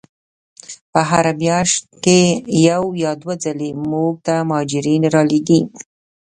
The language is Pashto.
په هره میاشت کې یو یا دوه ځلې موږ ته مهاجرین را لیږي.